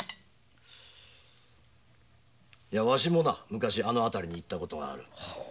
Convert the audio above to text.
わしも昔あの辺りに行ったことがある。